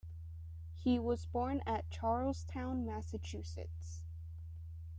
He was born at Charlestown, Massachusetts.